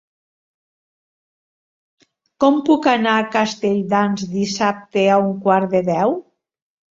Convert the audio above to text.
Com puc anar a Castelldans dissabte a un quart de deu?